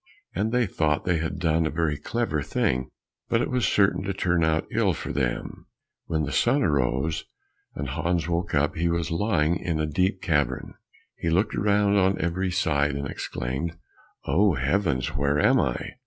And they thought they had done a very clever thing, but it was certain to turn out ill for them. When the sun arose, and Hans woke up, he was lying in a deep cavern. He looked around on every side and exclaimed, "Oh, heavens, where am I?"